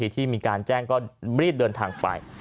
ที่มีการแจ้งก็รีบเดินทางไป